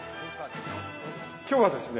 今日はですね